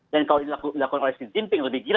dan kalau dilakukan oleh xi jinping lebih gila